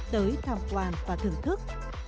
tới tham quan và thưởng thức